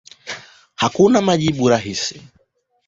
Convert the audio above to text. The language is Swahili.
Hakuna majibu rahisi.